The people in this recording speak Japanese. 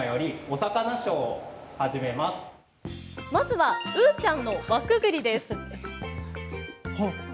まずはウーちゃんの輪くぐりです。